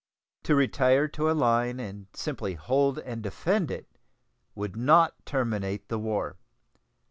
To retire to a line and simply hold and defend it would not terminate the war.